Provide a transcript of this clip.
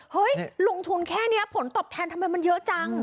เฮ้ยลงทุนแค่นี้ผลตอบแทนทำไมมันเยอะจัง